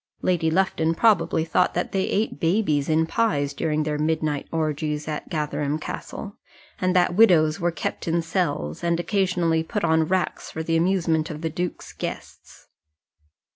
Lady Lufton probably thought that they ate babies in pies during their midnight orgies at Gatherum Castle; and that widows were kept in cells, and occasionally put on racks for the amusement of the duke's guests.